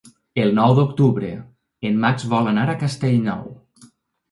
El nou d'octubre en Max vol anar a Castellnou.